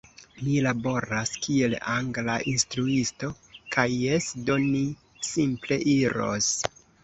Mi laboras kiel angla instruisto. Kaj jes, do, mi simple iros!